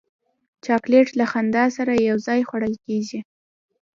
چاکلېټ له خندا سره یو ځای خوړل کېږي.